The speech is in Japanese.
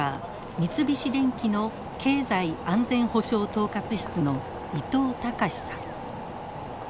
三菱電機の経済安全保障統括室の伊藤隆さん。